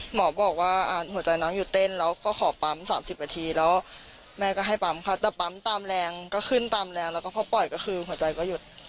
หมอบอกว่าหัวใจน้องหยุดเต้นแล้วก็ขอปั๊ม๓๐นาทีแล้วแม่ก็ให้ปั๊มค่ะแต่ปั๊มตามแรงก็ขึ้นตามแรงแล้วก็พอปล่อยก็คือหัวใจก็หยุด